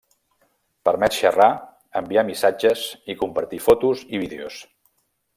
Permet xerrar, enviar missatges i compartir fotos i vídeos.